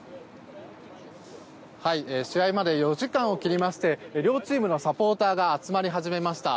試合まで４時間を切りまして両チームのサポーターが集まり始めました。